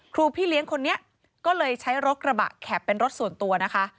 พี่เลี้ยงคนนี้ก็เลยใช้รถกระบะแข็บเป็นรถส่วนตัวนะคะ